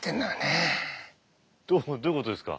どういうことですか？